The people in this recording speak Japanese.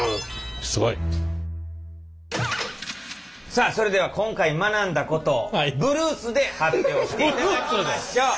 さあそれでは今回学んだことをブルースで発表していただきましょう。